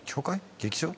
劇場？